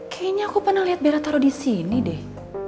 kayaknya aku pernah liat bella taro disini deh